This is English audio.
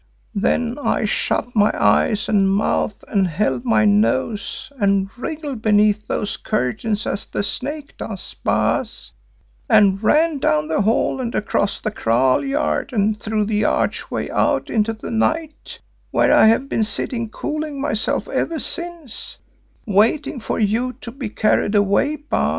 Then I shut my eyes and mouth and held my nose, and wriggled beneath those curtains as a snake does, Baas, and ran down the hall and across the kraal yard and through the archway out into the night, where I have been sitting cooling myself ever since, waiting for you to be carried away, Baas.